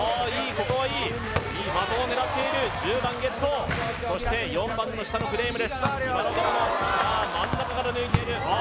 ここはいい的を狙っている１０番ゲットそして４番の下のフレームですさあ真ん中から抜いているあ